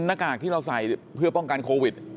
หน้ากากที่เราใส่เพื่อป้องกันโควิด